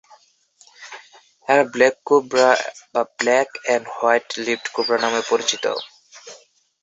এরা black cobra বা black and white lipped cobra নামেও পরিচিত।